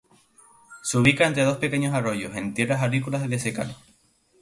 Se ubica entre dos pequeños arroyos, en tierras agrícolas de secano.